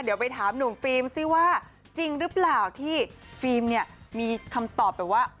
เดี๋ยวไปถามหนุ่มฟิล์มซิว่าจริงหรือเปล่าที่ฟิล์มเนี่ยมีคำตอบแบบว่า